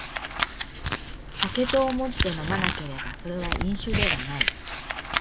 酒と思って飲まなければそれは飲酒ではない